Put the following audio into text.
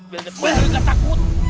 biar dia punya ilmu gak takut